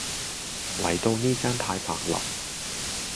嚟到呢間太白樓